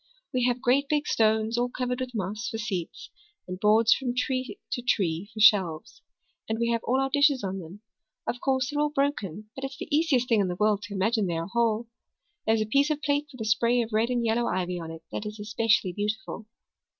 We have great big stones, all covered with moss, for seats, and boards from tree to tree for shelves. And we have all our dishes on them. Of course, they're all broken but it's the easiest thing in the world to imagine that they are whole. There's a piece of a plate with a spray of red and yellow ivy on it that is especially beautiful.